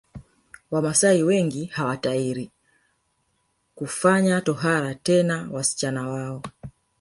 Wamaasai wengi hawatahiri kufanya tohara tena wasichana wao